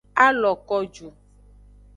A lo ko ju.